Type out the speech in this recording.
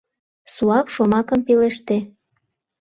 Суап шомакым пелеште.